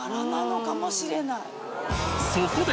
そこで！